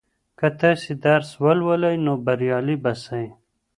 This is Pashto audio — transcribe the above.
که تاسې درس ولولئ نو بریالي به سئ.